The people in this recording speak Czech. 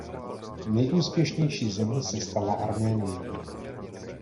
Nejúspěšnější zemí se stala Arménie.